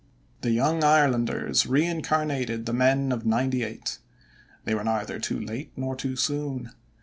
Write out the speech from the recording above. The Young Irelanders reincarnated the men of "ninety eight." They were neither too late nor too soon.